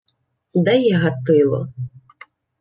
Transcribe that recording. — Де є Гатило?